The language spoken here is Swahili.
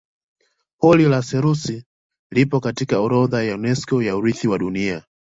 pori la selous lipo katika orodha ya unesco ya urithi wa dunia